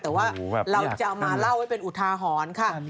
แต่ว่าเราจะมาเล่าเป็นอุทาฮรค่ะ